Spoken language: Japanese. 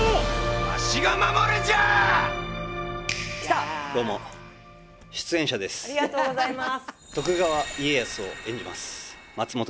ありがとうございます！